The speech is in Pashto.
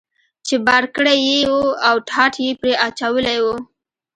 چې بار کړی یې و او ټاټ یې پرې اچولی و.